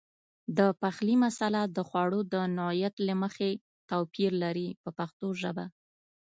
د پخلي مساله د خوړو د نوعیت له مخې توپیر لري په پښتو ژبه.